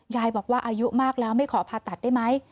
ยายบอกว่าอายุมากแล้วไม่ขอผ่าตัดได้ไหม